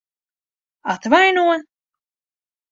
Atvaino?